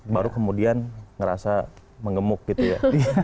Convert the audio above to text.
baru kemudian ngerasa mengemuk gitu ya